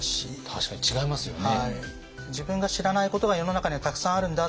確かに違いますよね。